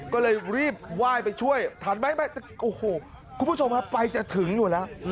ก็เลยรีบว่ายไปช่วยทันไหมคุณผู้ชมไปจะถึงอยู่แล้ว